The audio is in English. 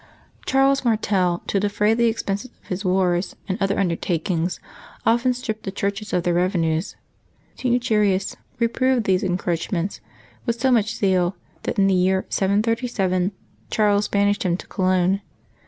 Charles Martel, to defray the expenses of his wars and other undertakings, often stripped the churches of their revenues. St. Eucherius reproved these encroachments with so much zeal that, in the year 737, Charles banished him to Cologne.